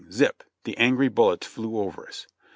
zip! the angry bullets flew over us.